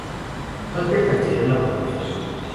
Walter canceló la producción.